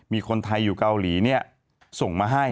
มีคนไทยอยู่เกาหลีส่งมาให้